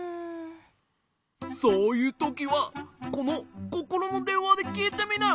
そういうときはこのココロのでんわできいてみなよ！